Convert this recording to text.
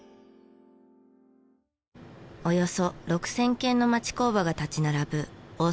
およそ６０００軒の町工場が立ち並ぶ大阪府東大阪市。